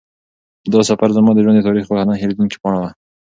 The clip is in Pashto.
دا سفر زما د ژوند د تاریخ یوه نه هېرېدونکې پاڼه وه.